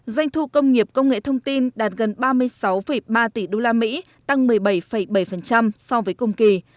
doanh thu công nghiệp công nghệ thông tin đạt gần ba mươi sáu ba tỷ usd tăng một mươi bảy bảy so với cùng kỳ